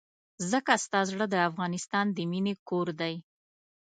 ځکه ستا زړه د افغانستان د مينې کور دی.